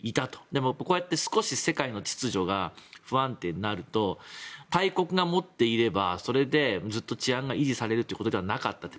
でもこうやって世界の秩序が不安定になると大国が持っていればそれでずっと治安が維持されるということではなかったと。